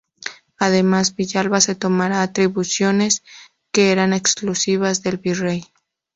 Además Villalba se tomaba atribuciones que eran exclusivas del virrey.